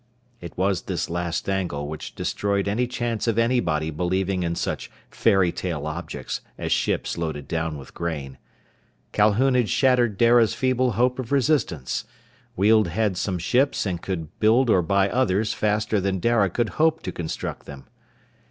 It was this last angle which destroyed any chance of anybody believing in such fairy tale objects as ships loaded down with grain. Calhoun had shattered Dara's feeble hope of resistance. Weald had some ships and could build or buy others faster than Dara could hope to construct them.